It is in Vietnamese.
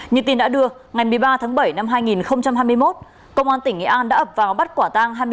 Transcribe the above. như tin đã đưa ngày một mươi ba tháng bảy năm hai nghìn hai mươi một công an tỉnh nghệ an đã ập vào bắt quả tang